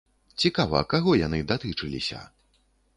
Цікава, каго яны датычыліся?